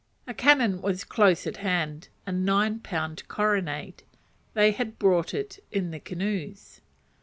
A cannon was close at hand a nine pound carronade. They had brought it in the canoes.